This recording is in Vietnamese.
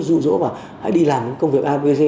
dụ dỗ và hãy đi làm công việc avc